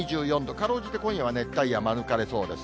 かろうじて今夜は熱帯夜、免れそうです。